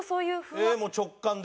えっもう直感で？